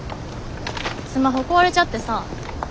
スマホ壊れちゃってさ。